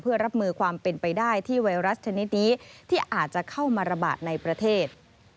เพื่อรับมือความเป็นไปได้ที่ไวรัสชนิดนี้ที่อาจจะเข้ามาระบาดในประเทศ